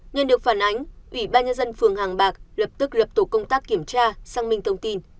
nhân được phản ánh ủy ban nhân dân phường hàng bạc lập tức lập tổ công tác kiểm tra xăng minh thông tin